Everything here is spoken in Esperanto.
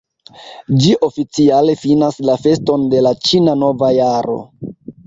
Ĝi oficiale finas la feston de la Ĉina Nova Jaro.